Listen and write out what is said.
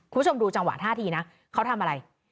คุณผู้ชมดูจังหวะท่าทีนะเขาทำอะไร